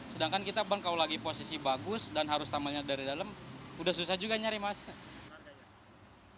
sedangkan kita bang kalau lagi posisi bagus dan harus tamannya dari dalam udah susah juga nyari mas